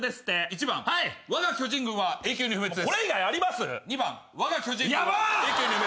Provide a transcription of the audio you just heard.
３番「わが巨人軍は永久に不滅です」